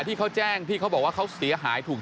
ที่แจ้งไว้ที่บ้านตากประมาณ๓แสนบาทค่ะ